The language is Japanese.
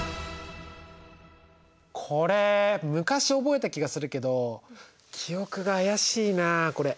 これ昔覚えた気がするけど記憶が怪しいなこれ。